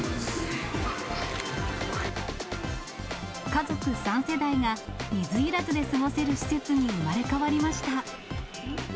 家族３世代が水入らずで過ごせる施設に生まれ変わりました。